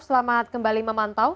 selamat kembali memantau